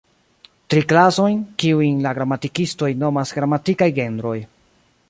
Tri klasojn, kiujn la gramatikistoj nomas gramatikaj genroj.